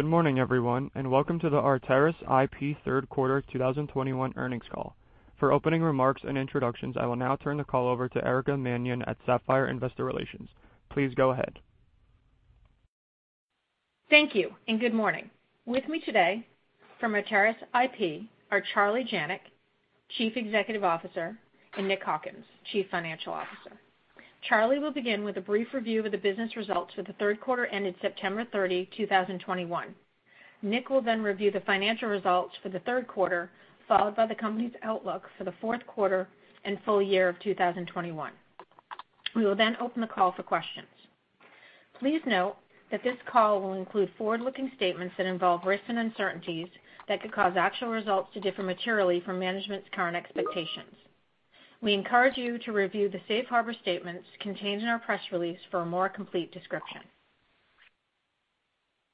Good morning, everyone, and welcome to the Arteris IP third quarter 2021 earnings call. For opening remarks and introductions, I will now turn the call over to Erica Mannion at Sapphire Investor Relations. Please go ahead. Thank you and good morning. With me today from Arteris IP are Charlie Janac, Chief Executive Officer, and Nick Hawkins, Chief Financial Officer. Charlie will begin with a brief review of the business results for the third quarter ended September 30, 2021. Nick will then review the financial results for the third quarter, followed by the company's outlook for the fourth quarter and full year of 2021. We will then open the call for questions. Please note that this call will include forward-looking statements that involve risks and uncertainties that could cause actual results to differ materially from management's current expectations. We encourage you to review the safe harbor statements contained in our press release for a more complete description.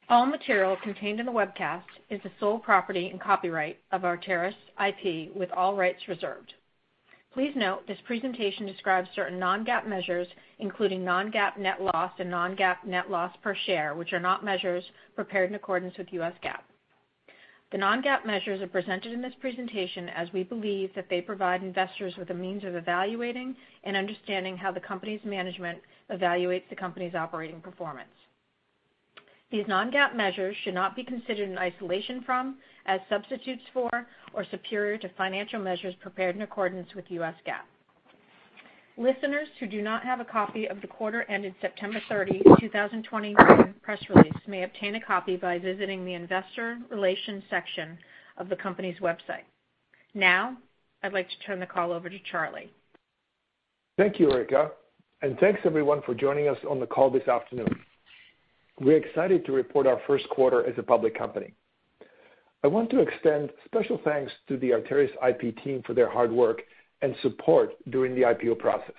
All material contained in the webcast is the sole property and copyright of Arteris IP, with all rights reserved. Please note, this presentation describes certain non-GAAP measures, including non-GAAP net loss and non-GAAP net loss per share, which are not measures prepared in accordance with U.S. GAAP. The non-GAAP measures are presented in this presentation as we believe that they provide investors with a means of evaluating and understanding how the company's management evaluates the company's operating performance. These non-GAAP measures should not be considered in isolation from, as substitutes for, or superior to financial measures prepared in accordance with U.S. GAAP. Listeners who do not have a copy of the quarter ended September 30, 2021 press release may obtain a copy by visiting the investor relations section of the company's website. Now, I'd like to turn the call over to Charlie. Thank you, Erica, and thanks, everyone, for joining us on the call this afternoon. We're excited to report our first quarter as a public company. I want to extend special thanks to the Arteris IP team for their hard work and support during the IPO process.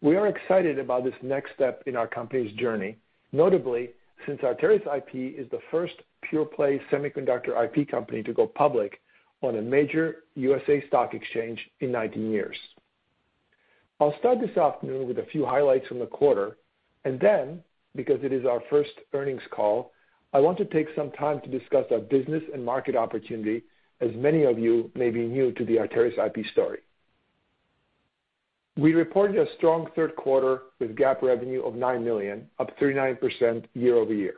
We are excited about this next step in our company's journey, notably since Arteris IP is the first pure play semiconductor IP company to go public on a major U.S. stock exchange in 19 years. I'll start this afternoon with a few highlights from the quarter, and then, because it is our first earnings call, I want to take some time to discuss our business and market opportunity, as many of you may be new to the Arteris IP story. We reported a strong third quarter with GAAP revenue of $9 million, up 39% year-over-year.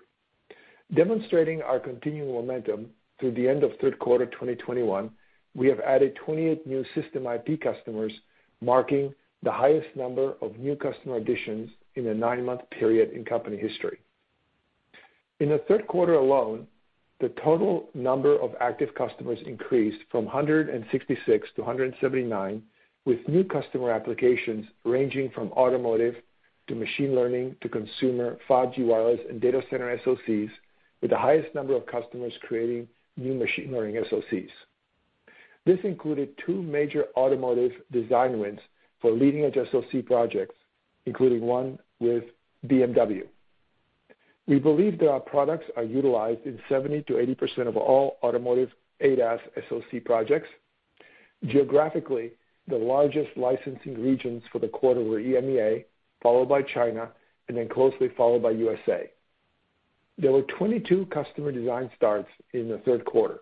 Demonstrating our continuing momentum through the end of third quarter 2021, we have added 28 new System IP customers, marking the highest number of new customer additions in a nine month period in company history. In the third quarter alone, the total number of active customers increased from 166 to 179, with new customer applications ranging from automotive to machine learning to consumer 5G wireless and data center SoCs, with the highest number of customers creating new machine learning SoCs. This included two major automotive design wins for leading-edge SoC projects, including one with BMW. We believe that our products are utilized in 70%-80% of all automotive ADAS SoC projects. Geographically, the largest licensing regions for the quarter were EMEA, followed by China, and then closely followed by U.S. There were 22 customer design starts in the third quarter,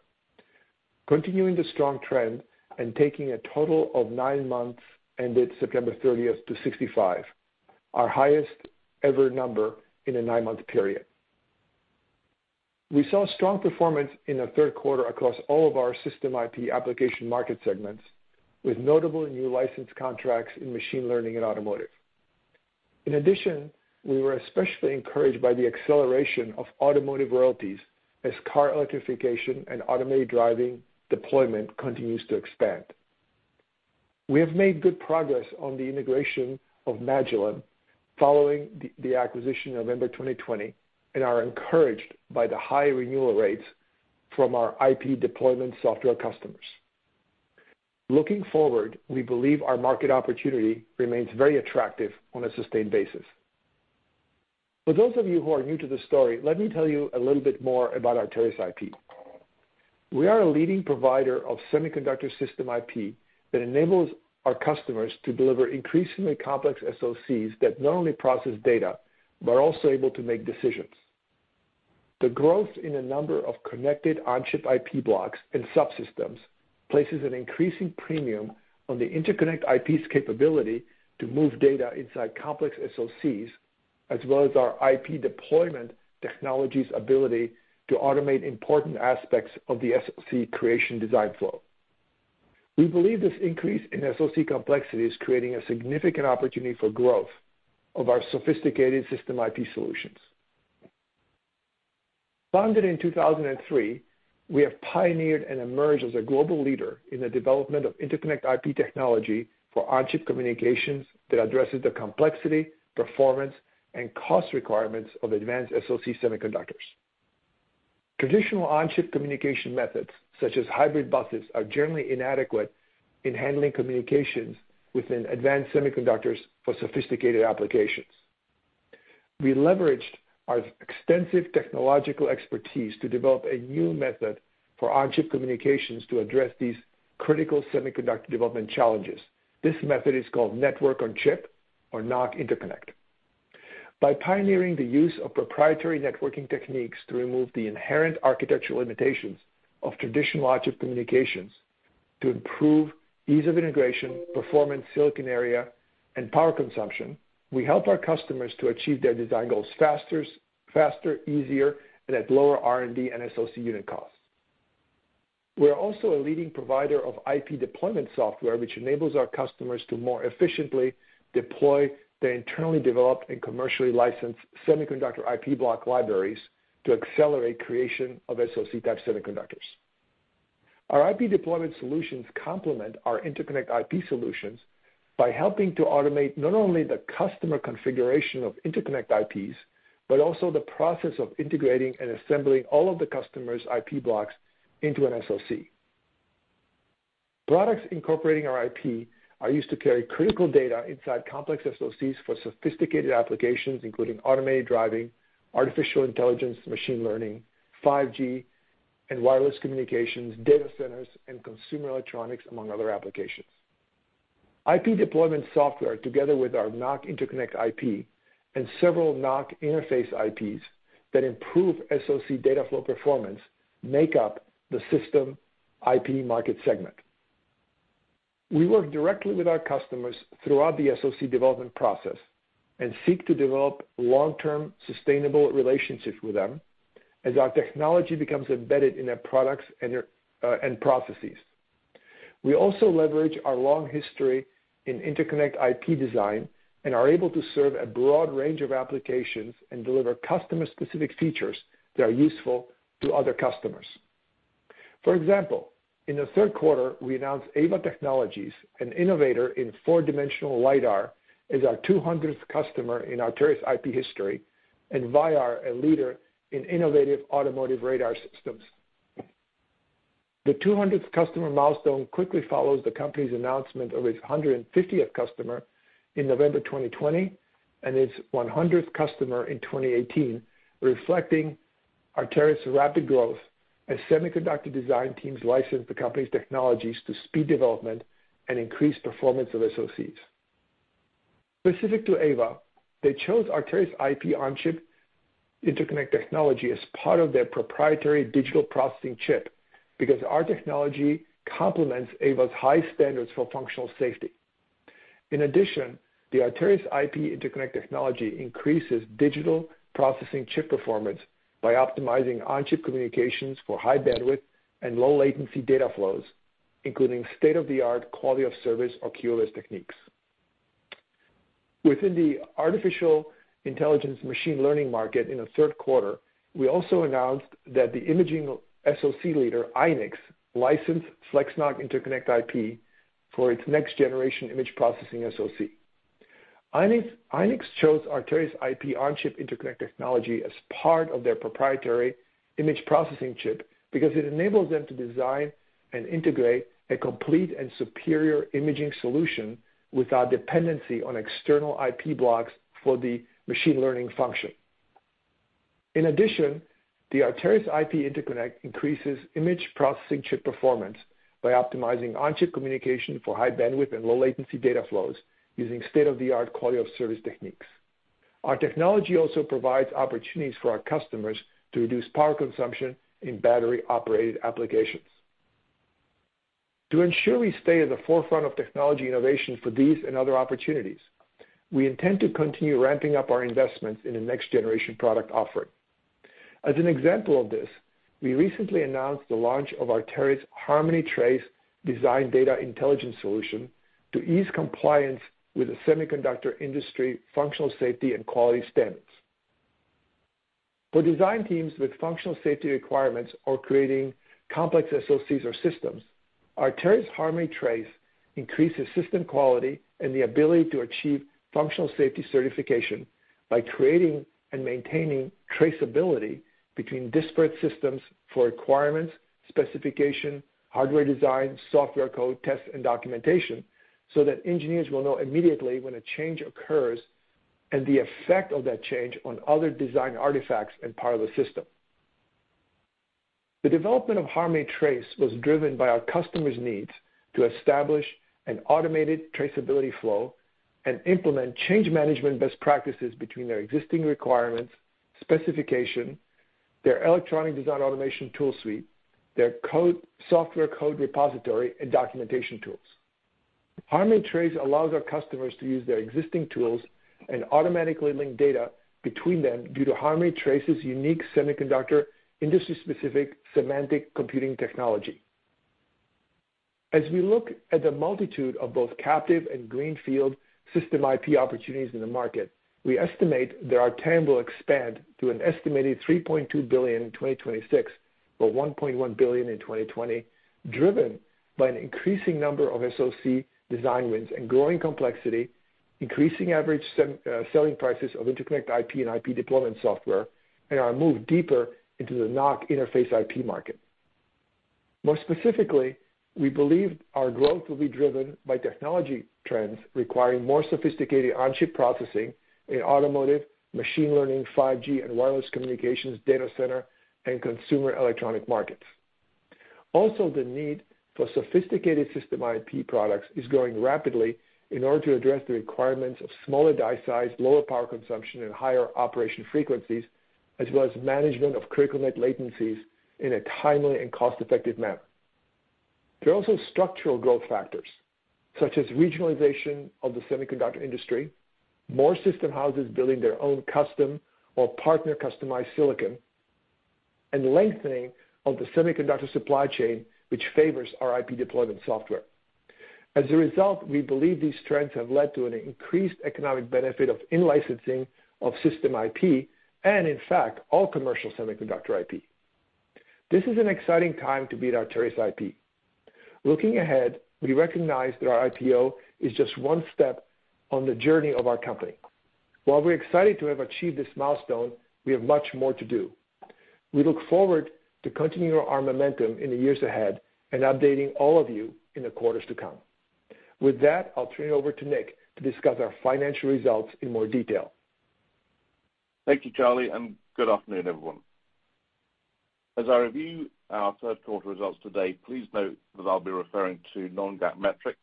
continuing the strong trend and taking a total of nine months ended September 30 to 65, our highest ever number in a nine month period. We saw strong performance in the third quarter across all of our System IP application market segments, with notable new license contracts in machine learning and automotive. In addition, we were especially encouraged by the acceleration of automotive royalties as car electrification and automated driving deployment continues to expand. We have made good progress on the integration of Magillem following the acquisition November 2020, and are encouraged by the high renewal rates from our IP deployment software customers. Looking forward, we believe our market opportunity remains very attractive on a sustained basis. For those of you who are new to the story, let me tell you a little bit more about Arteris IP. We are a leading provider of semiconductor system IP that enables our customers to deliver increasingly complex SoCs that not only process data, but are also able to make decisions. The growth in the number of connected on-chip IP blocks and subsystems places an increasing premium on the interconnect IP's capability to move data inside complex SoCs, as well as our IP deployment technology's ability to automate important aspects of the SoC creation design flow. We believe this increase in SoC complexity is creating a significant opportunity for growth of our sophisticated system IP solutions. Founded in 2003, we have pioneered and emerged as a global leader in the development of interconnect IP technology for on-chip communications that addresses the complexity, performance, and cost requirements of advanced SoC semiconductors. Traditional on-chip communication methods, such as hybrid buses, are generally inadequate in handling communications within advanced semiconductors for sophisticated applications. We leveraged our extensive technological expertise to develop a new method for on-chip communications to address these critical semiconductor development challenges. This method is called Network-on-Chip or NoC Interconnect. By pioneering the use of proprietary networking techniques to remove the inherent architectural limitations of traditional logic communications to improve ease of integration, performance, silicon area, and power consumption, we help our customers to achieve their design goals faster, easier, and at lower R&D and SoC unit costs. We're also a leading provider of IP deployment software, which enables our customers to more efficiently deploy their internally developed and commercially licensed semiconductor IP block libraries to accelerate creation of SoC type semiconductors. Our IP deployment solutions complement our interconnect IP solutions by helping to automate not only the customer configuration of interconnect IPs, but also the process of integrating and assembling all of the customer's IP blocks into an SoC. Products incorporating our IP are used to carry critical data inside complex SoCs for sophisticated applications, including automated driving, artificial intelligence, machine learning, 5G and wireless communications, data centers, and consumer electronics, among other applications. IP deployment software, together with our NoC interconnect IP and several NoC interface IPs that improve SoC data flow performance, make up the System IP market segment. We work directly with our customers throughout the SoC development process and seek to develop long-term sustainable relationships with them as our technology becomes embedded in their products and their processes. We also leverage our long history in interconnect IP design and are able to serve a broad range of applications and deliver customer-specific features that are useful to other customers. For example, in the third quarter, we announced Aeva Technologies, an innovator in lidar, as our 200th customer in Arteris IP history, and Uhnder, a leader in innovative automotive radar systems. The 200th customer milestone quickly follows the company's announcement of its 150th customer in November 2020 and its 100th customer in 2018, reflecting Arteris' rapid growth as semiconductor design teams license the company's technologies to speed development and increase performance of SoCs. Specific to Aeva, they chose Arteris IP on-chip interconnect technology as part of their proprietary digital processing chip because our technology complements Aeva's high standards for functional safety. In addition, the Arteris IP interconnect technology increases digital processing chip performance by optimizing on-chip communications for high bandwidth and low latency data flows, including state-of-the-art quality of service or QoS techniques. Within the artificial intelligence machine learning market in the third quarter, we also announced that the imaging SoC leader, Eyenix, licensed FlexNoC interconnect IP for its next-generation image processing SoC. Eyenix chose Arteris IP on-chip interconnect technology as part of their proprietary image processing chip because it enables them to design and integrate a complete and superior imaging solution without dependency on external IP blocks for the machine learning function. In addition, the Arteris IP interconnect increases image processing chip performance by optimizing on-chip communication for high bandwidth and low latency data flows using state-of-the-art quality of service techniques. Our technology also provides opportunities for our customers to reduce power consumption in battery-operated applications. To ensure we stay at the forefront of technology innovation for these and other opportunities, we intend to continue ramping up our investments in the next-generation product offering. As an example of this, we recently announced the launch of Arteris Harmony Trace design data intelligence solution to ease compliance with the semiconductor industry functional safety and quality standards. For design teams with functional safety requirements or creating complex SoCs or systems, Arteris Harmony Trace increases system quality and the ability to achieve functional safety certification by creating and maintaining traceability between disparate systems for requirements, specification, hardware design, software code, test, and documentation, so that engineers will know immediately when a change occurs and the effect of that change on other design artifacts and part of the system. The development of Harmony Trace was driven by our customers' needs to establish an automated traceability flow and implement change management best practices between their existing requirements, specification, their electronic design automation tool suite, their software code repository, and documentation tools. Harmony Trace allows our customers to use their existing tools and automatically link data between them due to Harmony Trace's unique semiconductor industry-specific semantic computing technology. As we look at the multitude of both captive and greenfield system IP opportunities in the market, we estimate that our TAM will expand to an estimated $3.2 billion in 2026, but $1.1 billion in 2020, driven by an increasing number of SoC design wins and growing complexity, increasing average selling prices of interconnect IP and IP deployment software, and our move deeper into the NoC interface IP market. More specifically, we believe our growth will be driven by technology trends requiring more sophisticated on-chip processing in automotive, machine learning, 5G and wireless communications, data center, and consumer electronic markets. Also, the need for sophisticated System IP products is growing rapidly in order to address the requirements of smaller die size, lower power consumption, and higher operation frequencies, as well as management of critical net latencies in a timely and cost-effective manner. There are also structural growth factors, such as regionalization of the semiconductor industry, more system houses building their own custom or partner-customized silicon, and the lengthening of the semiconductor supply chain, which favors our IP deployment software. As a result, we believe these trends have led to an increased economic benefit of in-licensing of System IP, and in fact, all commercial semiconductor IP. This is an exciting time to be at Arteris IP. Looking ahead, we recognize that our IPO is just one step on the journey of our company. While we're excited to have achieved this milestone, we have much more to do. We look forward to continuing our momentum in the years ahead and updating all of you in the quarters to come. With that, I'll turn it over to Nick to discuss our financial results in more detail. Thank you, Charlie, and good afternoon, everyone. As I review our third quarter results today, please note that I'll be referring to non-GAAP metrics.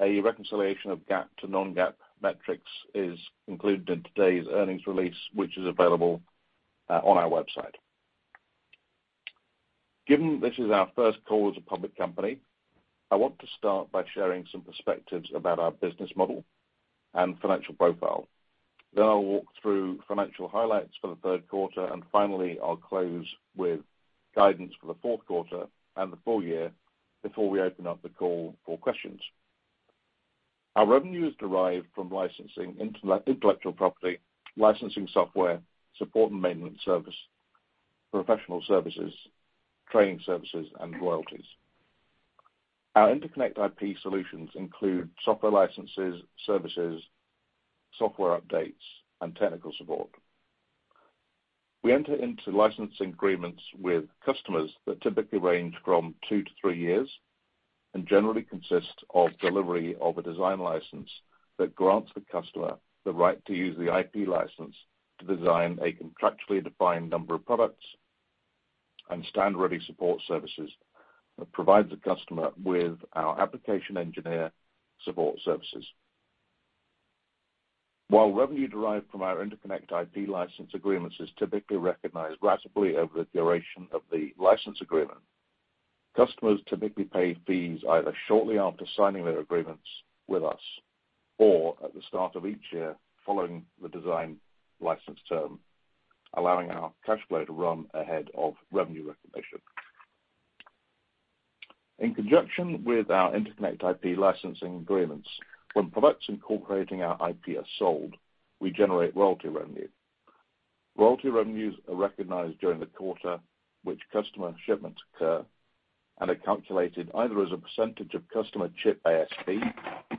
A reconciliation of GAAP to non-GAAP metrics is included in today's earnings release, which is available on our website. Given this is our first call as a public company, I want to start by sharing some perspectives about our business model and financial profile. Then I'll walk through financial highlights for the third quarter, and finally, I'll close with guidance for the fourth quarter and the full year before we open up the call for questions. Our revenue is derived from licensing intellectual property, licensing software, support and maintenance service, professional services, training services, and royalties. Our interconnect IP solutions include software licenses, services, software updates, and technical support. We enter into licensing agreements with customers that typically range from two to three years and generally consist of delivery of a design license that grants the customer the right to use the IP license to design a contractually defined number of products and stand-ready support services that provides the customer with our application engineer support services. While revenue derived from our interconnect IP license agreements is typically recognized ratably over the duration of the license agreement, customers typically pay fees either shortly after signing their agreements with us or at the start of each year following the design license term, allowing our cash flow to run ahead of revenue recognition. In conjunction with our interconnect IP licensing agreements, when products incorporating our IP are sold, we generate royalty revenue. Royalty revenues are recognized during the quarter which customer shipments occur and are calculated either as a percentage of customer chip ASP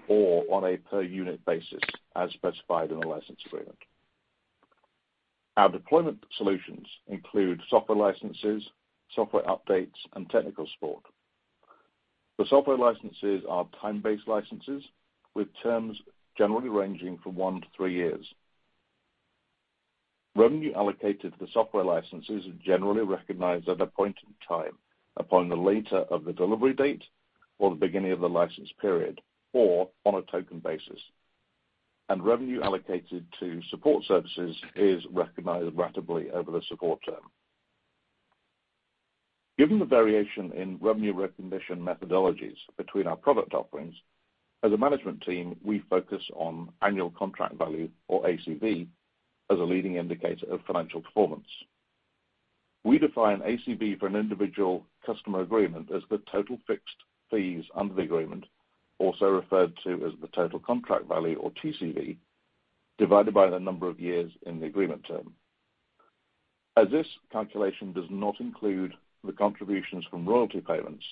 or on a per unit basis as specified in the license agreement. Our deployment solutions include software licenses, software updates, and technical support. The software licenses are time-based licenses with terms generally ranging from one to three years. Revenue allocated to the software licenses are generally recognized at a point in time upon the later of the delivery date or the beginning of the license period or on a token basis. Revenue allocated to support services is recognized ratably over the support term. Given the variation in revenue recognition methodologies between our product offerings, as a management team, we focus on annual contract value, or ACV, as a leading indicator of financial performance. We define ACV for an individual customer agreement as the total fixed fees under the agreement, also referred to as the total contract value or TCV, divided by the number of years in the agreement term. As this calculation does not include the contributions from royalty payments,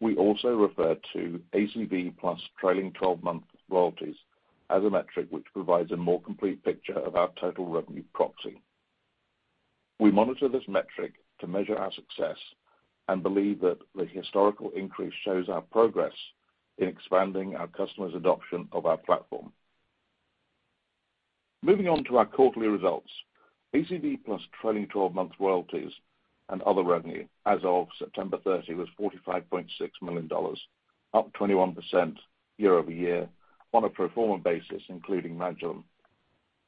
we also refer to ACV plus trailing 12 month royalties as a metric which provides a more complete picture of our total revenue proxy. We monitor this metric to measure our success and believe that the historical increase shows our progress in expanding our customers' adoption of our platform. Moving on to our quarterly results. ACV plus trailing twelve-month royalties and other revenue as of September 30 was $45.6 million, up 21% year-over-year on a pro forma basis, including Magillem,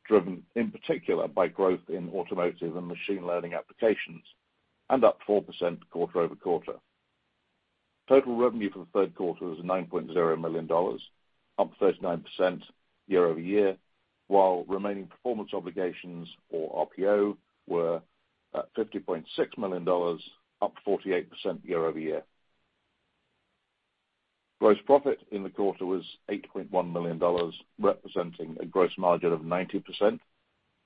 driven in particular by growth in automotive and machine learning applications and up 4% quarter-over-quarter. Total revenue for the third quarter was $9.0 million, up 39% year-over-year, while remaining performance obligations, or RPO, were at $50.6 million, up 48% year-over-year. Gross profit in the quarter was $8.1 million, representing a gross margin of 90%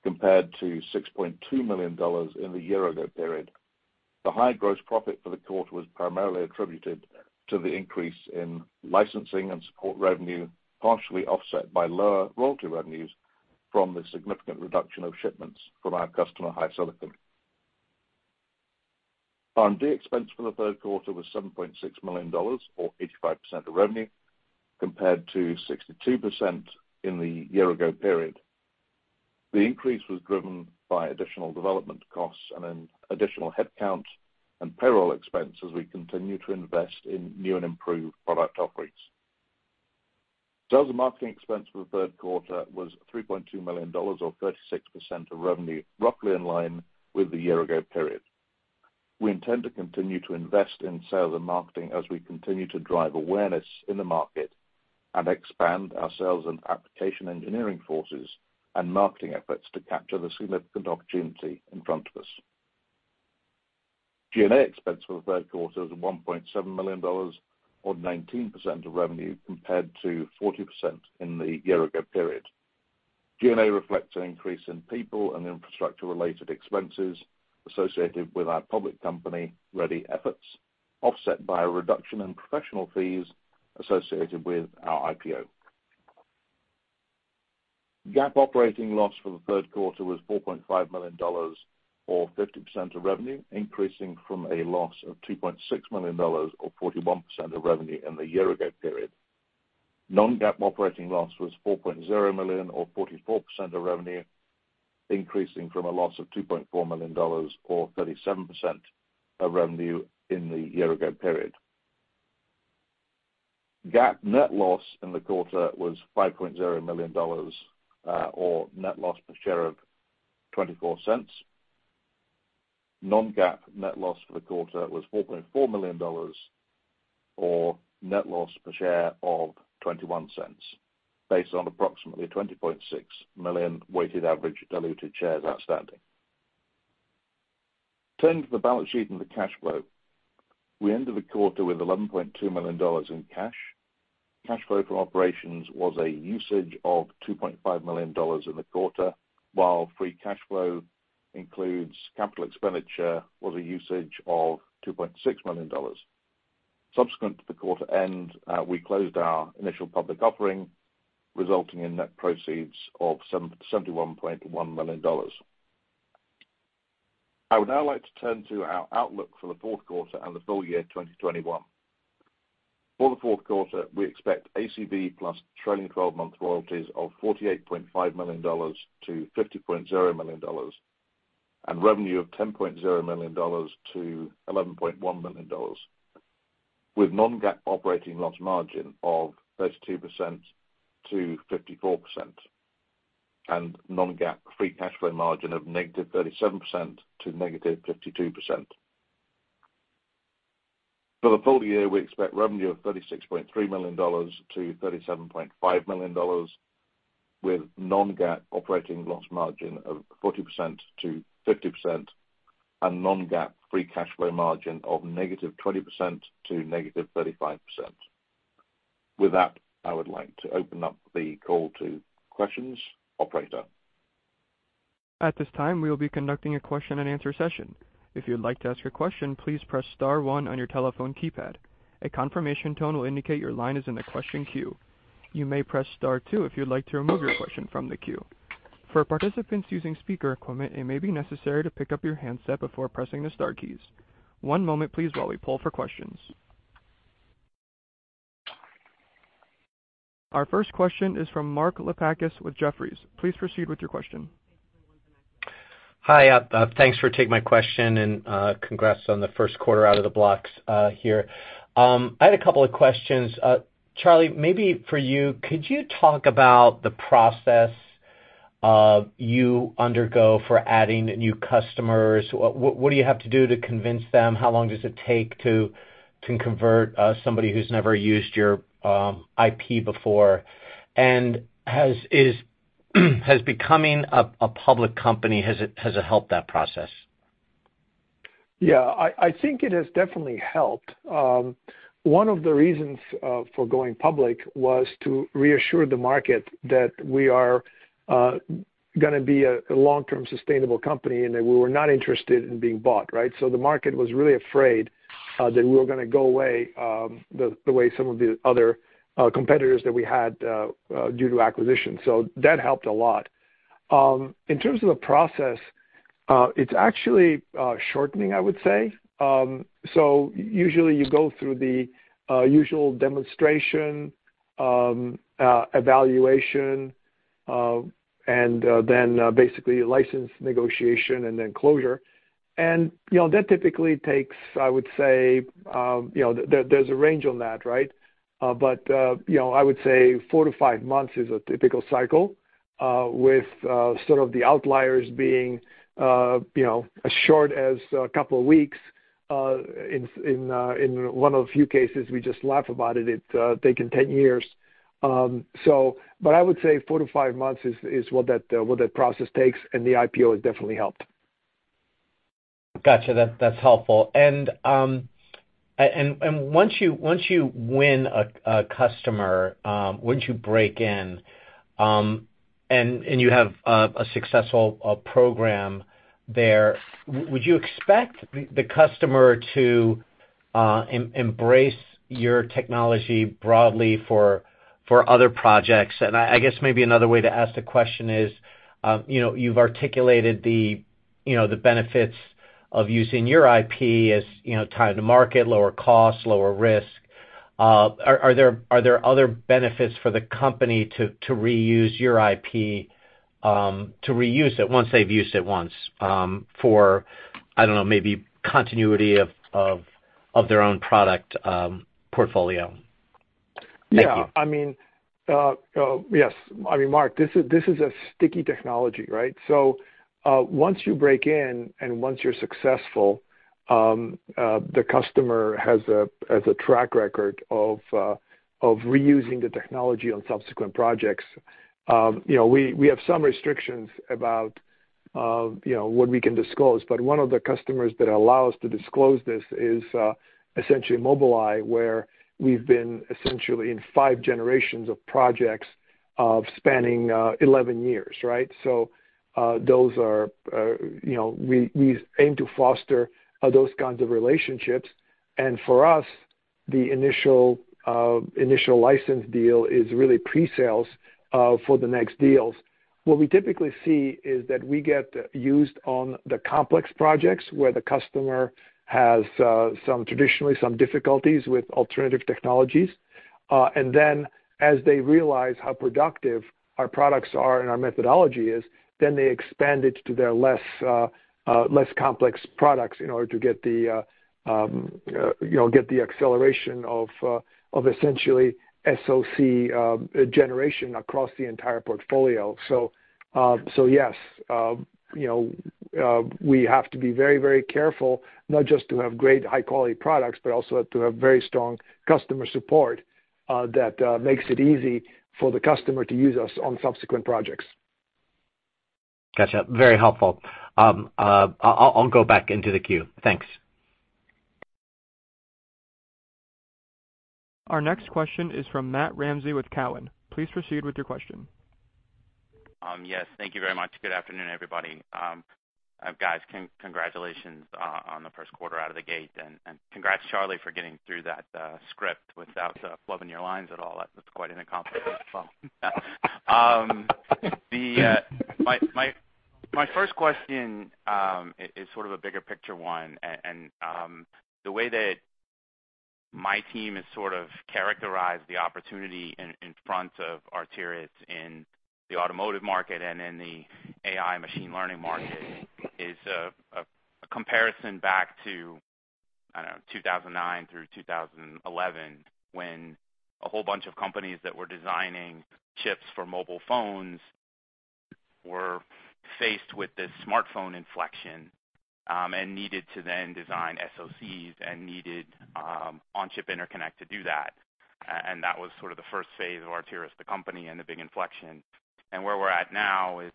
compared to $6.2 million in the year-ago period. The high gross profit for the quarter was primarily attributed to the increase in licensing and support revenue, partially offset by lower royalty revenues from the significant reduction of shipments from our customer HiSilicon. R&D expense for the third quarter was $7.6 million, or 85% of revenue, compared to 62% in the year ago period. The increase was driven by additional development costs and an additional headcount and payroll expense as we continue to invest in new and improved product offerings. Sales and marketing expense for the third quarter was $3.2 million or 36% of revenue, roughly in line with the year ago period. We intend to continue to invest in sales and marketing as we continue to drive awareness in the market and expand our sales and application engineering forces and marketing efforts to capture the significant opportunity in front of us. G&A expense for the third quarter was $1.7 million or 19% of revenue, compared to 40% in the year ago period. G&A reflects an increase in people and infrastructure related expenses associated with our public company-ready efforts, offset by a reduction in professional fees associated with our IPO. GAAP operating loss for the third quarter was $4.5 million or 50% of revenue, increasing from a loss of $2.6 million or 41% of revenue in the year ago period. Non-GAAP operating loss was $4.0 million or 44% of revenue, increasing from a loss of $2.4 million or 37% of revenue in the year ago period. GAAP net loss in the quarter was $5.0 million or net loss per share of $0.24. Non-GAAP net loss for the quarter was $4.4 million or net loss per share of $0.21 based on approximately 20.6 million weighted average diluted shares outstanding. Turning to the balance sheet and the cash flow. We ended the quarter with $11.2 million in cash. Cash flow from operations was a usage of $2.5 million in the quarter, while free cash flow includes capital expenditure, was a usage of $2.6 million. Subsequent to the quarter end, we closed our initial public offering, resulting in net proceeds of $771.1 million. I would now like to turn to our outlook for the fourth quarter and the full year 2021. For the fourth quarter, we expect ACV plus trailing 12 month royalties of $48.5 million-$50.0 million and revenue of $10.0 million-$11.1 million, with non-GAAP operating loss margin of 32%-54% and non-GAAP free cash flow margin of -37% to -52%. For the full year, we expect revenue of $36.3 million-$37.5 million, with non-GAAP operating loss margin of 40%-50% and non-GAAP free cash flow margin of -20% to -35%. With that, I would like to open up the call to questions. Operator? At this time, we will be conducting a question-and-answer session. If you'd like to ask a question, please press star one on your telephone keypad. A confirmation tone will indicate your line is in the question queue. You may press star two if you'd like to remove your question from the queue. For participants using speaker equipment, it may be necessary to pick up your handset before pressing the star keys. One moment please while we poll for questions. Our first question is from Mark Lipacis with Jefferies. Please proceed with your question. Hi. Thanks for taking my question and congrats on the first quarter out of the blocks here. I had a couple of questions. Charlie, maybe for you, could you talk about the process of you undergo for adding new customers? What do you have to do to convince them? How long does it take to convert somebody who's never used your IP before? Has becoming a public company helped that process? I think it has definitely helped. One of the reasons for going public was to reassure the market that we are gonna be a long-term sustainable company, and that we were not interested in being bought, right? The market was really afraid that we were gonna go away, the way some of the other competitors that we had due to acquisition. That helped a lot. In terms of the process, it's actually shortening, I would say. Usually you go through the usual demonstration, evaluation, and then basically license negotiation and then closure. You know, that typically takes, I would say, you know, there's a range on that, right? You know, I would say four to five months is a typical cycle, with sort of the outliers being, you know, as short as a couple of weeks. In one of the few cases we just laugh about it's taken 10 years. I would say four to five months is what that process takes, and the IPO has definitely helped. Gotcha. That's helpful. Once you win a customer, once you break in, and you have a successful program there, would you expect the customer to embrace your technology broadly for other projects? I guess maybe another way to ask the question is, you know, you've articulated. You know, the benefits of using your IP as, you know, time to market, lower cost, lower risk. Are there other benefits for the company to reuse your IP, to reuse it once they've used it once, for, I don't know, maybe continuity of their own product portfolio? Yeah. Thank you. I mean, yes. I mean, Mark, this is a sticky technology, right? Once you break in and once you're successful, the customer has a track record of reusing the technology on subsequent projects. You know, we have some restrictions about, you know, what we can disclose, but one of the customers that allow us to disclose this is essentially Mobileye, where we've been essentially in five generations of projects spanning 11 years, right? Those are, you know, we aim to foster those kinds of relationships. For us, the initial license deal is really pre-sales for the next deals. What we typically see is that we get used on the complex projects where the customer has some traditional difficulties with alternative technologies. As they realize how productive our products are and our methodology is, they expand it to their less complex products in order to get the acceleration of essentially SoC generation across the entire portfolio. Yes, you know, we have to be very, very careful not just to have great high-quality products, but also to have very strong customer support that makes it easy for the customer to use us on subsequent projects. Gotcha. Very helpful. I'll go back into the queue. Thanks. Our next question is from Matt Ramsay with Cowen. Please proceed with your question. Yes. Thank you very much. Good afternoon, everybody. Guys, congratulations on the first quarter out of the gate, and congrats, Charlie, for getting through that script without flubbing your lines at all. That was quite an accomplishment. My first question is sort of a bigger picture one. The way that my team has sort of characterized the opportunity in front of Arteris in the automotive market and in the AI machine learning market is a comparison back to, I don't know, 2009 through 2011 when a whole bunch of companies that were designing chips for mobile phones were faced with this smartphone inflection, and needed to then design SoCs and needed on-chip interconnect to do that. That was sort of the first phase of Arteris, the company, and the big inflection. Where we're at now is,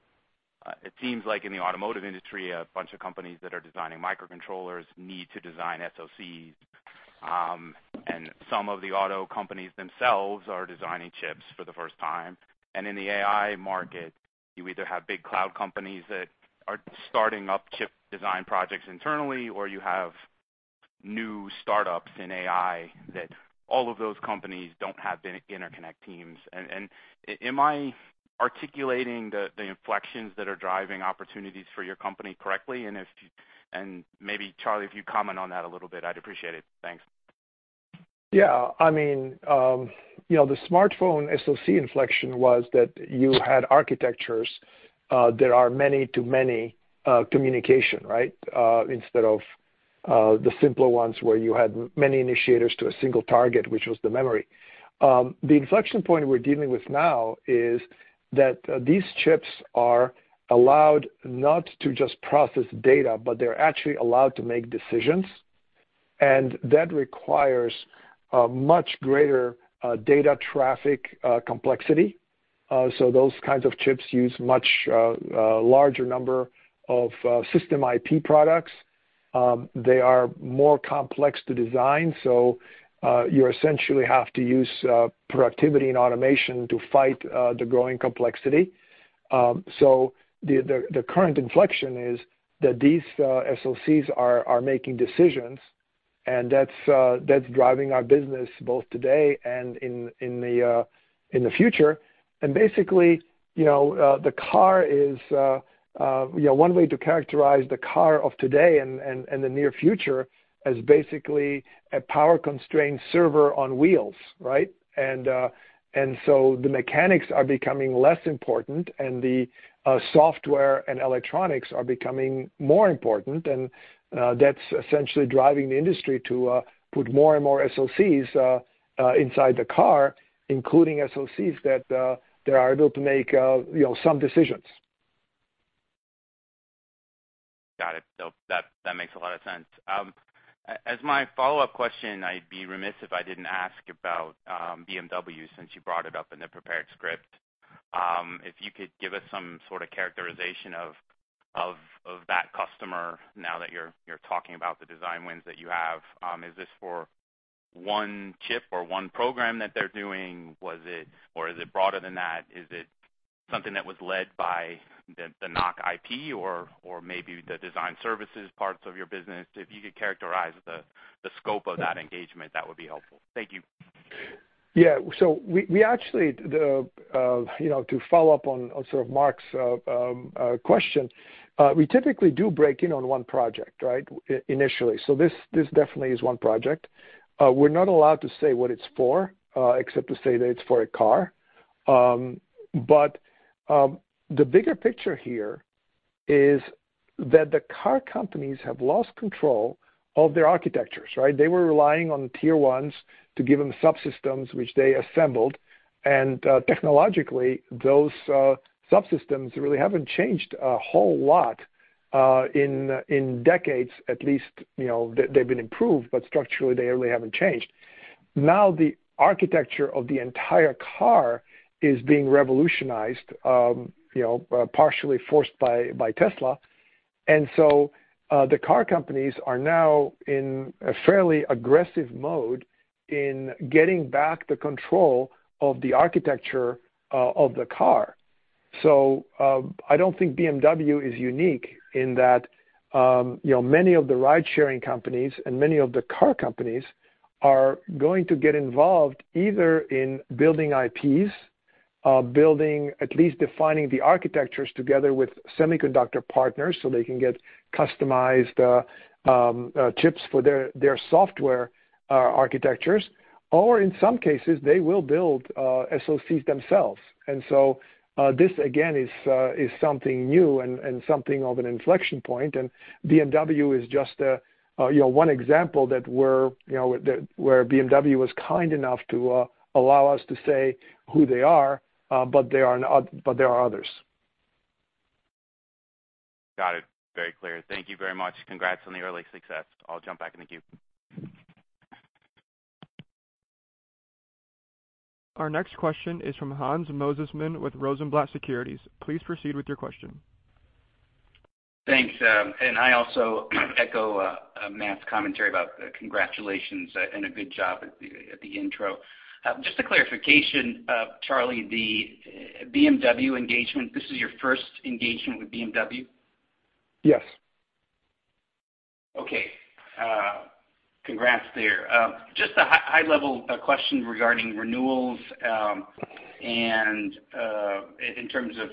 it seems like in the automotive industry, a bunch of companies that are designing microcontrollers need to design SoCs, and some of the auto companies themselves are designing chips for the first time. In the AI market, you either have big cloud companies that are starting up chip design projects internally, or you have new startups in AI that all of those companies don't have the interconnect teams. Am I articulating the inflections that are driving opportunities for your company correctly? Maybe Charlie, if you comment on that a little bit, I'd appreciate it. Thanks. I mean, you know, the smartphone SoC inflection was that you had architectures, there are many to many communication, right? Instead of the simpler ones where you had many initiators to a single target, which was the memory. The inflection point we're dealing with now is that these chips are allowed not to just process data, but they're actually allowed to make decisions. That requires a much greater data traffic complexity. So those kinds of chips use much larger number of System IP products. They are more complex to design, so you essentially have to use productivity and automation to fight the growing complexity. So the current inflection is that these SoCs are making decisions, and that's driving our business both today and in the future. Basically, you know, the car is, you know, one way to characterize the car of today and the near future is basically a power-constrained server on wheels, right? So the mechanics are becoming less important and the software and electronics are becoming more important, and that's essentially driving the industry to put more and more SoCs inside the car, including SoCs that are able to make, you know, some decisions. Got it. No, that makes a lot of sense. As my follow-up question, I'd be remiss if I didn't ask about BMW since you brought it up in the prepared script. If you could give us some sort of characterization of that customer now that you're talking about the design wins that you have. Is this for one chip or one program that they're doing? Was it or is it broader than that? Something that was led by the NoC IP or maybe the design services parts of your business. If you could characterize the scope of that engagement, that would be helpful. Thank you. We actually, you know, to follow up on sort of Mark's question, we typically do break in on one project, right? Initially. This definitely is one project. We're not allowed to say what it's for, except to say that it's for a car. The bigger picture here is that the car companies have lost control of their architectures, right? They were relying on tier ones to give them subsystems which they assembled. Technologically, those subsystems really haven't changed a whole lot, in decades at least, you know. They've been improved, but structurally they really haven't changed. Now, the architecture of the entire car is being revolutionized, you know, partially forced by Tesla. The car companies are now in a fairly aggressive mode in getting back the control of the architecture of the car. I don't think BMW is unique in that, you know, many of the ridesharing companies and many of the car companies are going to get involved either in building IPs, at least defining the architectures together with semiconductor partners so they can get customized chips for their software architectures, or in some cases they will build SoCs themselves. This again is something new and something of an inflection point. BMW is just, you know, one example that we're, you know, where BMW was kind enough to allow us to say who they are, but there are others. Got it. Very clear. Thank you very much. Congrats on the early success. I'll jump back. Thank you. Our next question is from Hans Mosesmann with Rosenblatt Securities. Please proceed with your question. Thanks. I also echo Matt's commentary about congratulations and a good job at the intro. Just a clarification, Charlie, the BMW engagement, this is your first engagement with BMW? Yes. Okay. Congrats there. Just a high level question regarding renewals, and in terms of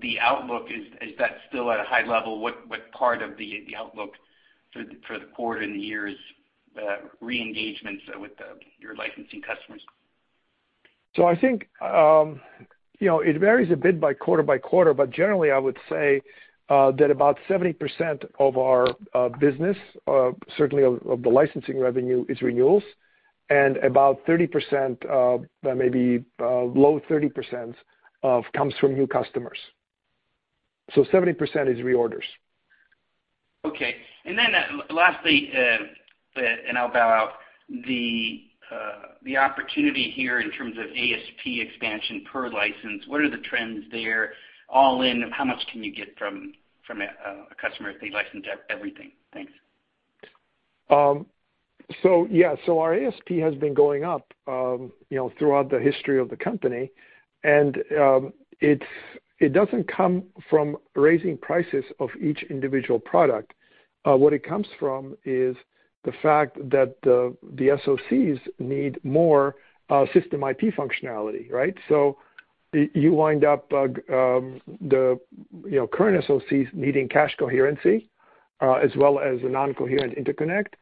the outlook. Is that still at a high level? What part of the outlook for the quarter and the year's re-engagements with your licensing customers? I think, you know, it varies a bit by quarter by quarter, but generally I would say, that about 70% of our business, certainly of the licensing revenue is renewals and about 30%, maybe, low 30% comes from new customers. 70% is reorders. Okay. Lastly, and I'll bow out. The opportunity here in terms of ASP expansion per license, what are the trends there all in? How much can you get from a customer if they license everything? Thanks. Our ASP has been going up, you know, throughout the history of the company. It doesn't come from raising prices of each individual product. What it comes from is the fact that the SoCs need more System IP functionality, right? You wind up, you know, current SoCs needing cache coherency as well as a non-coherent interconnect.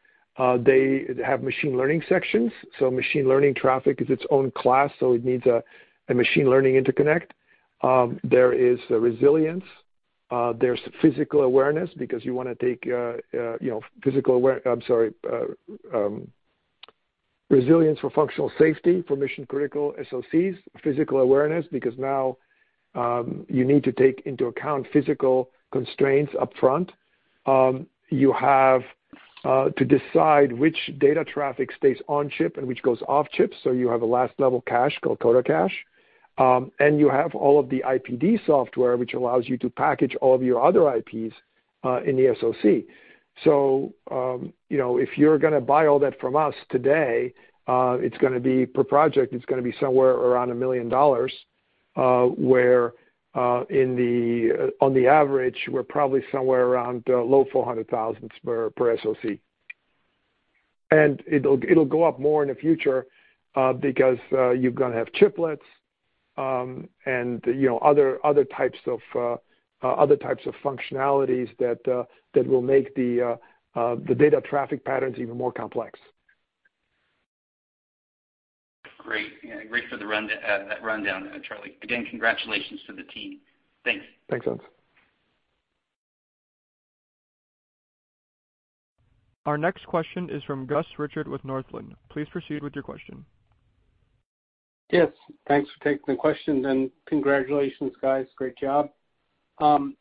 They have machine learning sections, so machine learning traffic is its own class, so it needs a machine learning interconnect. There is resilience for functional safety for mission-critical SoCs. There's physical awareness because now you need to take into account physical constraints upfront. You have to decide which data traffic stays on chip and which goes off chip. You have a last level cache called CodaCache. You have all of the IPD software, which allows you to package all of your other IPs in the SoC. You know, if you're gonna buy all that from us today, it's gonna be per project, it's gonna be somewhere around $1 million, whereas on the average, we're probably somewhere around low $400,000 per SoC. It'll go up more in the future, because you're gonna have chiplets, and you know, other types of functionalities that will make the data traffic patterns even more complex. Great. That rundown, Charlie. Again, congratulations to the team. Thanks. Thanks, Hans. Our next question is from Gus Richard with Northland. Please proceed with your question. Yes, thanks for taking the questions and congratulations, guys. Great job. Charlie,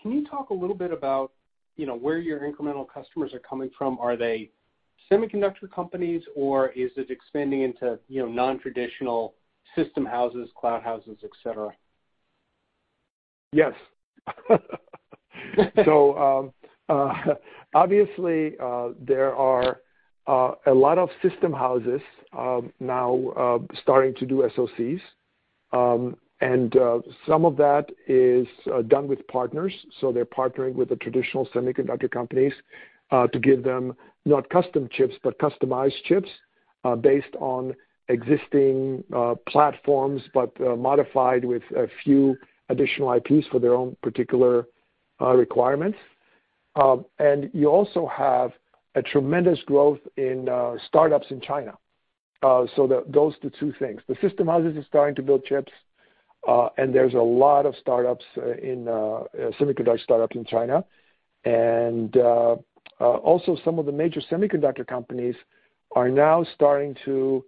can you talk a little bit about, you know, where your incremental customers are coming from? Are they semiconductor companies or is it expanding into, you know, non-traditional system houses, cloud houses, et cetera? Yes. Obviously, there are a lot of system houses now starting to do SoCs. Some of that is done with partners, so they're partnering with the traditional semiconductor companies to give them not custom chips but customized chips based on existing platforms, but modified with a few additional IPs for their own particular requirements. You also have a tremendous growth in startups in China. Those are the two things. The system houses are starting to build chips, and there's a lot of semiconductor startups in China. Also some of the major semiconductor companies are now starting to,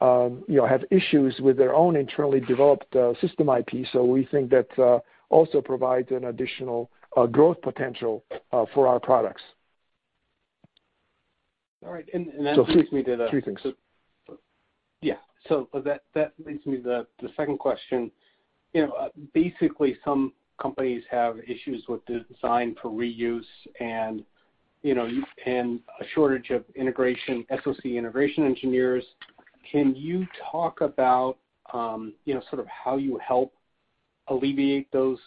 you know, have issues with their own internally developed System IP. We think that also provides an additional growth potential for our products. All right. That leads me to the Three things. That leads me to the second question. You know, basically, some companies have issues with the design for reuse and you know a shortage of integration SoC integration engineers. Can you talk about you know sort of how you help alleviate those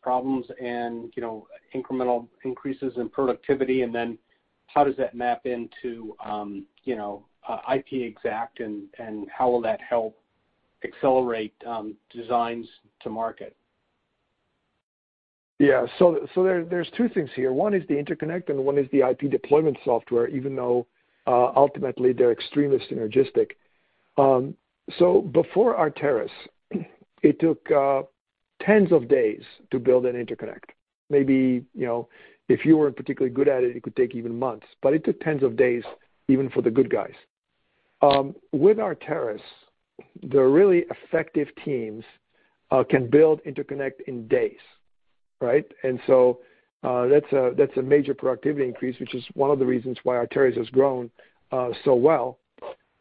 problems and you know incremental increases in productivity, and then how does that map into you know IP-XACT and how will that help accelerate designs to market? There are two things here. One is the interconnect, and one is the IP deployment software even though ultimately they're extremely synergistic. Before Arteris, it took tens of days to build an interconnect. Maybe, you know, if you weren't particularly good at it could take even months. It took tens of days even for the good guys. With Arteris, the really effective teams can build interconnect in days, right? That's a major productivity increase, which is one of the reasons why Arteris has grown so well.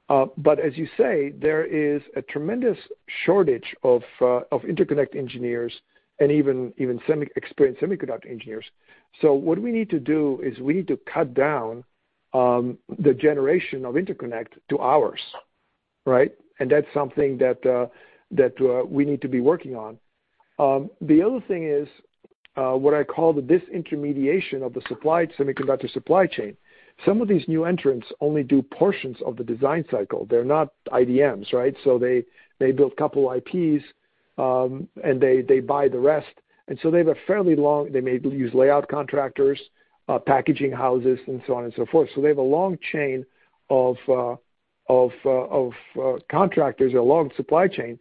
But as you say, there is a tremendous shortage of interconnect engineers and even semi-experienced semiconductor engineers. What we need to do is cut down the generation of interconnect to hours, right? That's something that we need to be working on. The other thing is what I call the disintermediation of the semiconductor supply chain. Some of these new entrants only do portions of the design cycle. They're not IDMs, right? So they build a couple IPs, and they buy the rest. They have a fairly long chain. They may use layout contractors, packaging houses and so on and so forth. They have a long chain of contractors, a long supply chain.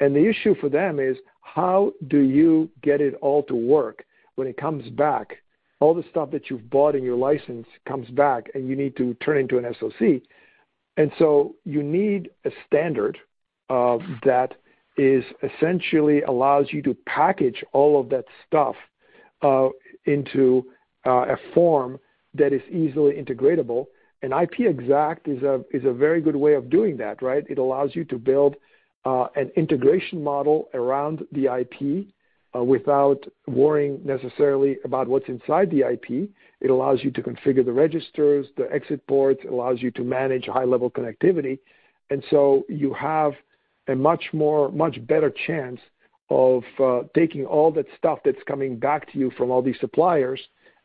The issue for them is how do you get it all to work when it comes back, all the stuff that you've bought in your license comes back, and you need to turn it into an SoC? You need a standard that is essentially allows you to package all of that stuff into a form that is easily integratable. IP-XACT is a very good way of doing that, right? It allows you to build an integration model around the IP without worrying necessarily about what's inside the IP. It allows you to configure the registers, the exit boards. It allows you to manage high-level connectivity. You have a much more, much better chance of taking all that stuff that's coming back to you from all these suppliers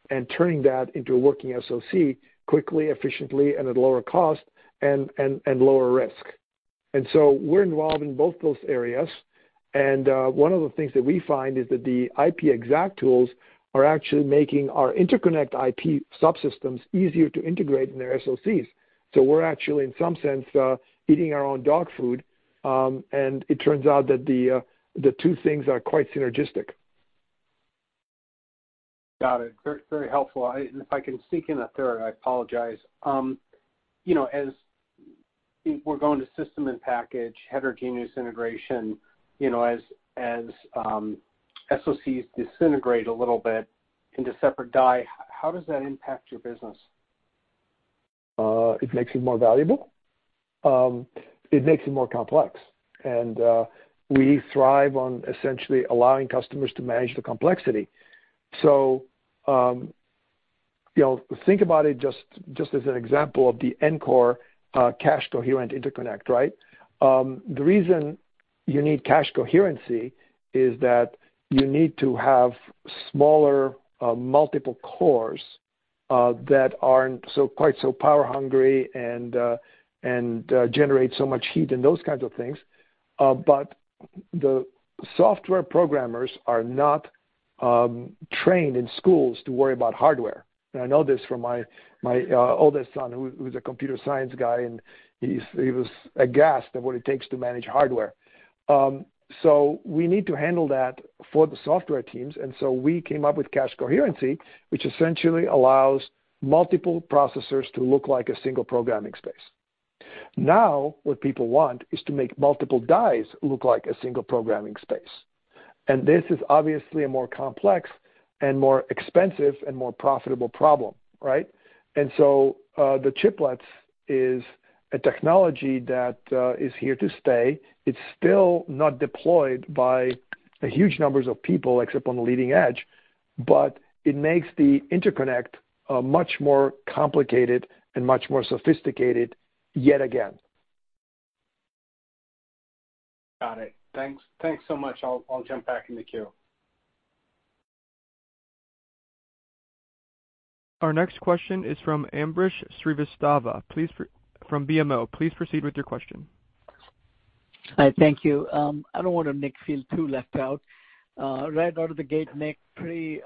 and turning that into a working SoC quickly, efficiently, and at lower cost and lower risk. We're involved in both those areas. One of the things that we find is that the IP-XACT tools are actually making our interconnect IP subsystems easier to integrate in their SoCs. We're actually in some sense eating our own dog food, and it turns out that the two things are quite synergistic. Got it. Very, very helpful. If I can sneak in a third, I apologize. You know, as we're going to system and package, heterogeneous integration, you know, as SoCs disintegrate a little bit into separate die, how does that impact your business? It makes it more valuable. It makes it more complex. We thrive on essentially allowing customers to manage the complexity. You know, think about it just as an example of the Ncore cache coherent interconnect, right? The reason you need cache coherency is that you need to have smaller multiple cores that aren't so power hungry and generate so much heat and those kinds of things. The software programmers are not trained in schools to worry about hardware. I know this from my oldest son who's a computer science guy, and he was aghast at what it takes to manage hardware. We need to handle that for the software teams, and so we came up with cache coherency, which essentially allows multiple processors to look like a single programming space. Now what people want is to make multiple dies look like a single programming space. This is obviously a more complex and more expensive and more profitable problem, right? The chiplets is a technology that is here to stay. It's still not deployed by a huge numbers of people except on the leading edge, but it makes the interconnect much more complicated and much more sophisticated yet again. Got it. Thanks. Thanks so much. I'll jump back in the queue. Our next question is from Ambrish Srivastava from BMO. Please proceed with your question. Hi. Thank you. I don't want to make Nick feel too left out. Right out of the gate, Nick, pretty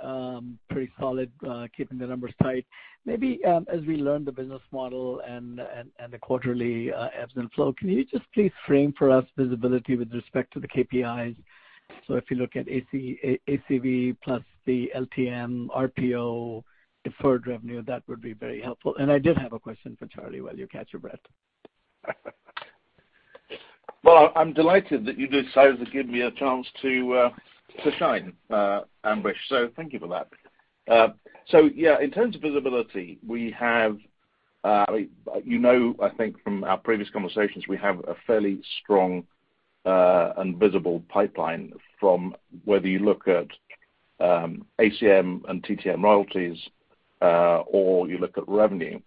solid keeping the numbers tight. Maybe, as we learn the business model and the quarterly ebbs and flow, can you just please frame for us visibility with respect to the KPIs? If you look at ACV plus the LTM, RPO, deferred revenue, that would be very helpful. I did have a question for Charlie, while you catch your breath. Well, I'm delighted that you decided to give me a chance to shine, Ambrish, so thank you for that. So yeah, in terms of visibility, we have you know, I think from our previous conversations, we have a fairly strong and visible pipeline from whether you look at ACV and TTM royalties or you look at revenue.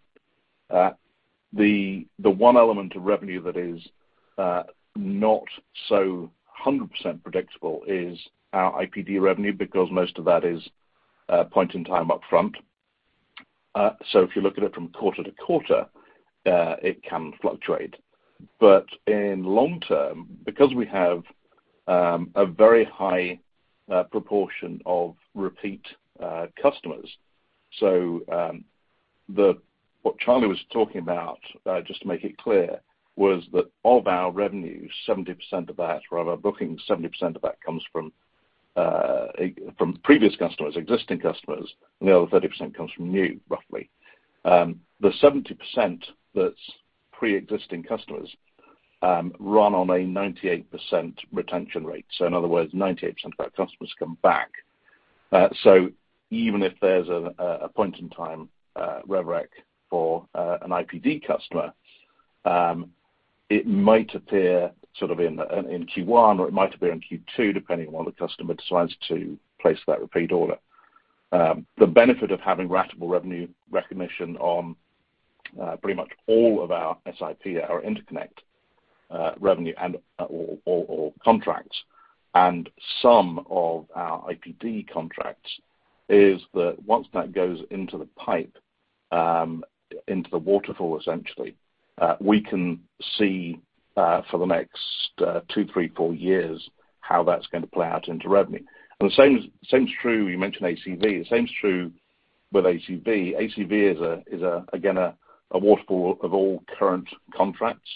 The one element of revenue that is not so hundred percent predictable is our IPD revenue, because most of that is point in time upfront. So if you look at it from quarter to quarter it can fluctuate. But in long term, because we have a very high proportion of repeat customers, so the... What Charlie was talking about, just to make it clear, was that of our revenue, 70% of that, or our bookings, 70% of that comes from previous customers, existing customers, and the other 30% comes from new, roughly. The 70% that's pre-existing customers run on a 98% retention rate. In other words, 98% of our customers come back. Even if there's a point in time rev rec for an IPD customer, it might appear sort of in Q1 or it might appear in Q2, depending on when the customer decides to place that repeat order. The benefit of having ratable revenue recognition on pretty much all of our SIP or interconnect revenue and or contracts and some of our IPD contracts is that once that goes into the pipe, into the waterfall, essentially, we can see for the next two, three, four years how that's going to play out into revenue. The same's true, you mentioned ACV. The same's true with ACV. ACV is again a waterfall of all current contracts.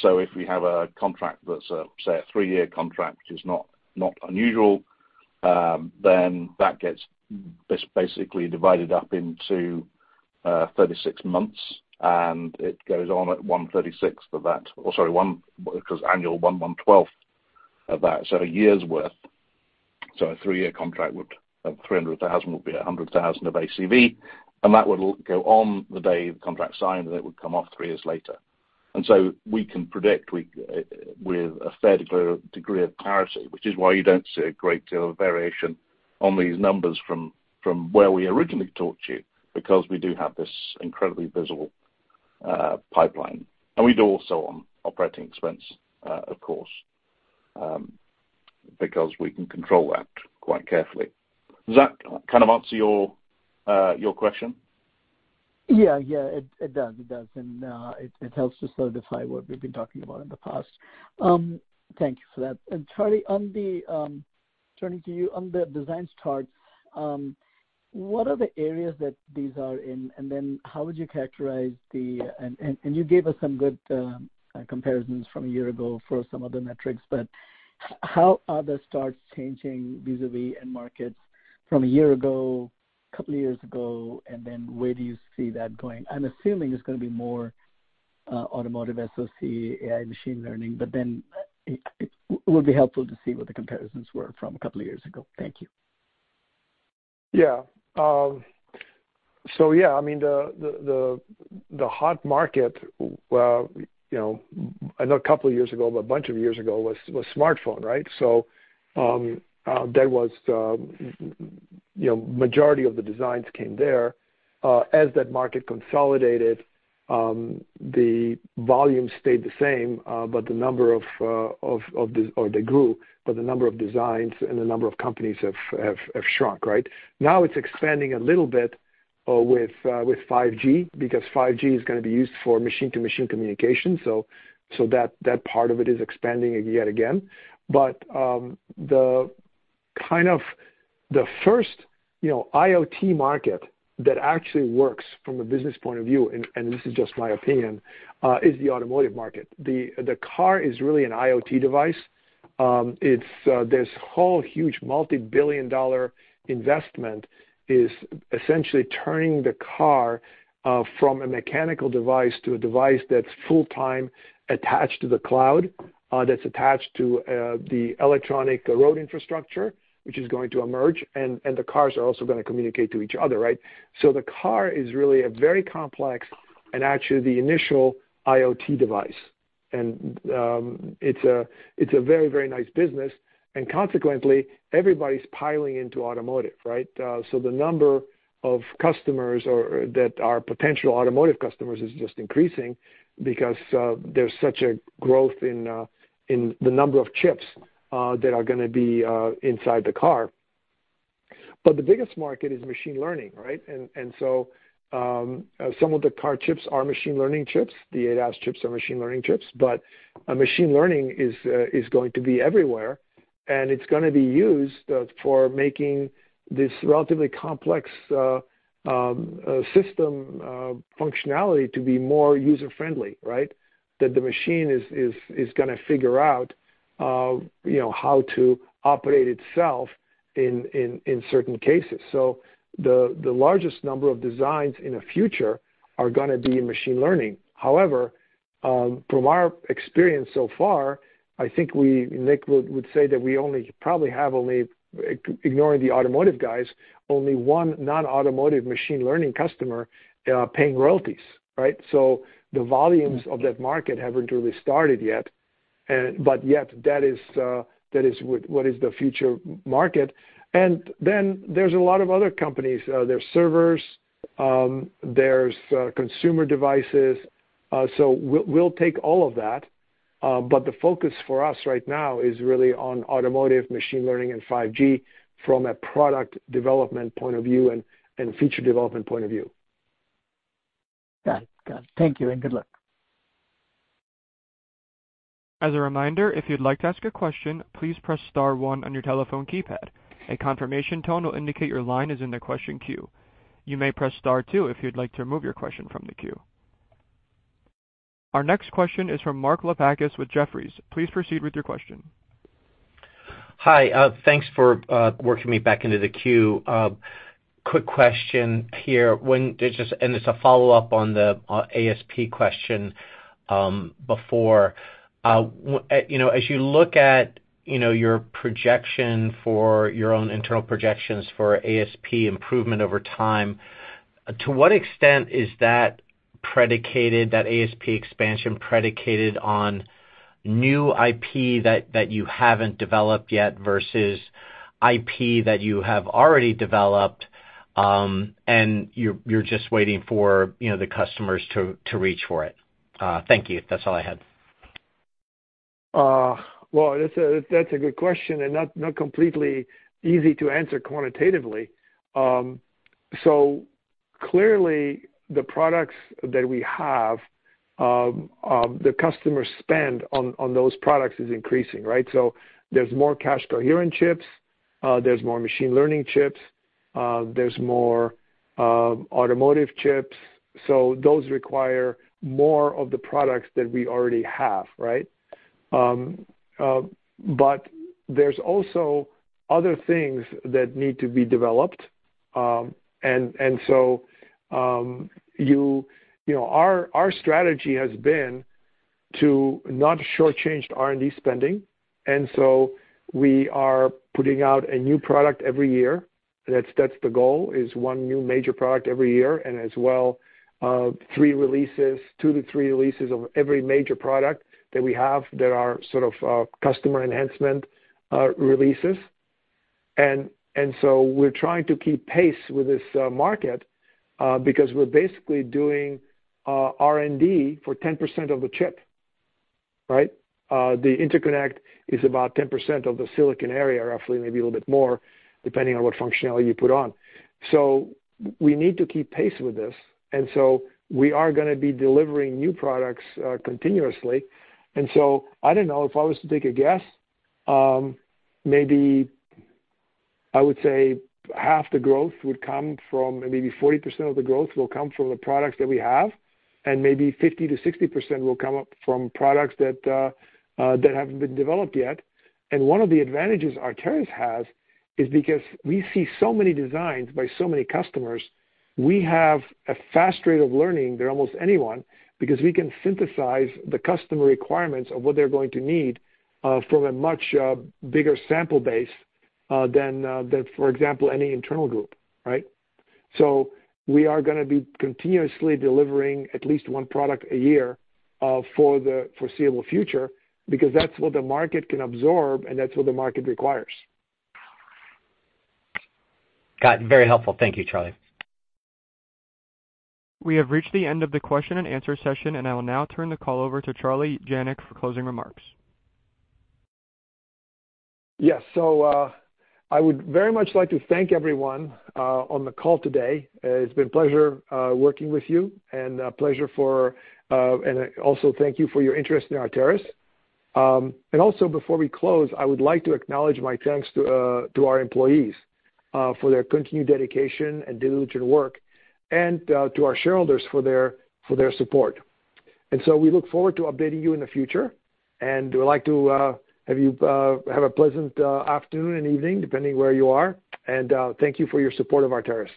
So if we have a contract that's say a three-year contract, which is not unusual, then that gets basically divided up into 36 months, and it goes on at one thirty-sixth of that, or sorry, one, because annual, one one-twelfth of that. So a year's worth. A three-year contract would of $300,000 would be $100,000 of ACV, and that would go on the day the contract's signed, and it would come off three years later. We can predict with a fair degree of clarity, which is why you don't see a great deal of variation on these numbers from where we originally talked to you, because we do have this incredibly visible pipeline. We do also on operating expense of course, because we can control that quite carefully. Does that kind of answer your question? It does. It helps to solidify what we've been talking about in the past. Thank you for that. Charlie, turning to you on the design starts, what are the areas that these are in? You gave us some good comparisons from a year ago for some of the metrics, but how are the starts changing vis-à-vis end markets from a year ago, couple years ago, and then where do you see that going? I'm assuming it's gonna be more automotive SoC, AI machine learning, but it would be helpful to see what the comparisons were from a couple of years ago. Thank you. I mean, the hot market, well, you know, I know a couple of years ago, but a bunch of years ago was smartphone, right? There was, you know, the majority of the designs came there. As that market consolidated, the volume stayed the same, but the number of designs and the number of companies have shrunk, right? Now it's expanding a little bit with 5G because 5G is gonna be used for machine-to-machine communication. That part of it is expanding yet again. Kind of the first, you know, IoT market that actually works from a business point of view, and this is just my opinion, is the automotive market. The car is really an IoT device. It's this whole huge multi-billion-dollar investment that's essentially turning the car from a mechanical device to a device that's full-time attached to the cloud, that's attached to the electronic road infrastructure, which is going to emerge, and the cars are also gonna communicate to each other, right? The car is really a very complex and actually the initial IoT device. It's a very, very nice business, and consequently, everybody's piling into automotive, right? The number of customers that are potential automotive customers is just increasing because there's such a growth in the number of chips that are gonna be inside the car. The biggest market is machine learning, right? Some of the car chips are machine learning chips. The ADAS chips are machine learning chips. Machine learning is going to be everywhere, and it's gonna be used for making this relatively complex system functionality to be more user-friendly, right? That the machine is gonna figure out, you know, how to operate itself in certain cases. The largest number of designs in the future are gonna be in machine learning. However, from our experience so far, I think Nick would say that we probably have, ignoring the automotive guys, one non-automotive machine learning customer paying royalties, right? The volumes of that market haven't really started yet. Yet that is what is the future market. There's a lot of other companies, there's servers, there's consumer devices. We'll take all of that, but the focus for us right now is really on automotive, machine learning, and 5G from a product development point of view and feature development point of view. Got it. Thank you and good luck. Our next question is from Mark Lipacis with Jefferies. Please proceed with your question. Hi. Thanks for working me back into the queue. Quick question here. It's a follow-up on the ASP question before. You know, as you look at, you know, your projection for your own internal projections for ASP improvement over time, to what extent is that ASP expansion predicated on new IP that you haven't developed yet versus IP that you have already developed, and you're just waiting for, you know, the customers to reach for it? Thank you. That's all I had. Well, that's a good question and not completely easy to answer quantitatively. Clearly the products that we have, the customer spend on those products is increasing, right? There's more cache coherent chips, there's more machine learning chips, there's more automotive chips. Those require more of the products that we already have, right? But there's also other things that need to be developed. You know, our strategy has been to not shortchange R&D spending, and so we are putting out a new product every year. That's the goal, is one new major product every year and as well, three releases, two to three releases of every major product that we have that are sort of customer enhancement releases. We're trying to keep pace with this market, because we're basically doing R&D for 10% of the chip, right? The interconnect is about 10% of the silicon area, roughly, maybe a little bit more depending on what functionality you put on. We need to keep pace with this, and we are gonna be delivering new products continuously. I don't know, if I was to take a guess, maybe I would say 40% of the growth will come from the products that we have, and maybe 50%-60% will come from products that haven't been developed yet. One of the advantages Arteris has is because we see so many designs by so many customers, we have a fast rate of learning than almost anyone because we can synthesize the customer requirements of what they're going to need from a much bigger sample base than, for example, any internal group, right? We are gonna be continuously delivering at least one product a year for the foreseeable future because that's what the market can absorb and that's what the market requires. Got it. Very helpful. Thank you, Charlie. We have reached the end of the question and answer session, and I will now turn the call over to Charlie Janac for closing remarks. Yes. I would very much like to thank everyone on the call today. It's been a pleasure working with you. Also thank you for your interest in Arteris. Before we close, I would like to acknowledge my thanks to our employees for their continued dedication and diligent work and to our shareholders for their support. We look forward to updating you in the future, and we'd like to have you have a pleasant afternoon and evening, depending where you are. Thank you for your support of Arteris.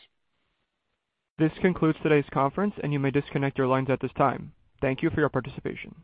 This concludes today's conference, and you may disconnect your lines at this time. Thank you for your participation.